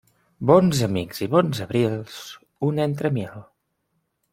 Bons amics i bons abrils, un entre mil.